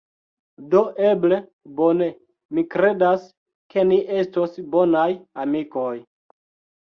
Do eble, bone, mi kredas ke ni estos bonaj amikoj